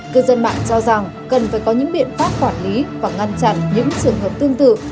cư dân mạng cho rằng cần phải có những biện pháp quản lý và ngăn chặn những trường hợp tương tự